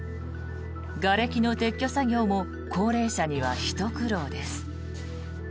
がれきの撤去作業も高齢者にはひと苦労です。